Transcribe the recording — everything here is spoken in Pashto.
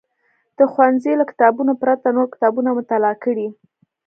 د ښوونځي له کتابونو پرته نور کتابونه مطالعه کړي.